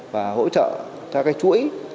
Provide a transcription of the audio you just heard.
và hỗ trợ cho cái chuỗi